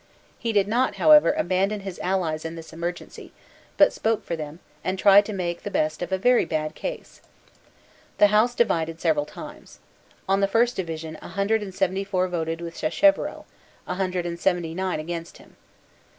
He did not however abandon his allies in this emergency, but spoke for them, and tried to make the best of a very bad case. The House divided several times. On the first division a hundred and seventy four voted with Sacheverell, a hundred and seventy nine against him.